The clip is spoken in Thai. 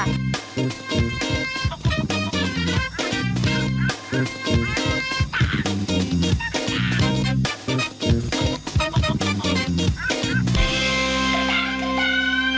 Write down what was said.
ก็ได้ก็ได้